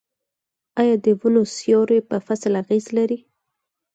آیا د ونو سیوری په فصل اغیز لري؟